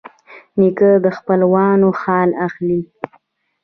نیکه د خپلوانو حال اخلي.